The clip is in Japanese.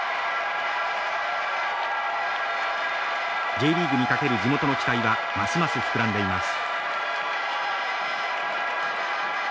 Ｊリーグにかける地元の期待はますます膨らんでいます。